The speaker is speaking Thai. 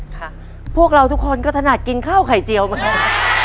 พวกเราทุกคนก็ถนัดกินข้าวไข่เจียวมาแล้ว